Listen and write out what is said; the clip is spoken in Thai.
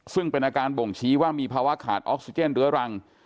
ซึ่งเป็นอาการบ่งชี้ว่ามีภาวะขาดออกซิเจนเรื้อรัง